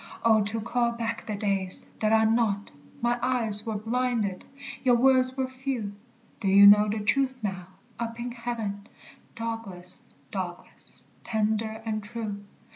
Oh, to call back the days that are not! My eyes were blinded, your words were few: Do you know the truth now, up in heaven, Douglas, Douglas, tender and true?